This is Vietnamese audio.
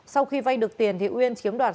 sau khi vay được tiền uyên chiếm đoạt số